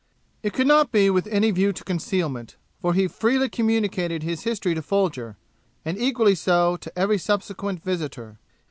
It could not be with any view to concealment, for he freely communicated his history to Folger, and equally so to every subsequent visitor.